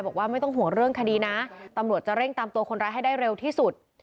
บอกว่าไม่ต้องห่วงเรื่องคดีนะตำรวจจะเร่งตามตัวคนร้ายให้ได้เร็วที่สุด